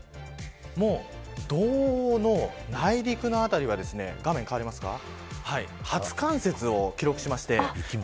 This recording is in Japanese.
道央の内陸の辺りは初冠雪を記録しています。